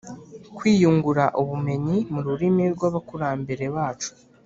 kwiyungura ubumenyi mu rurimi rw’abakurambere bacu.